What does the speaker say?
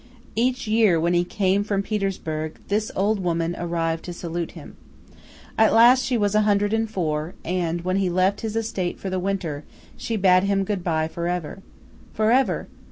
Each year when he came from Petersburg, this old woman arrived to salute him. At last she was a hundred and four, and, when he left his estate for the winter, she bade him good bye for ever. For ever!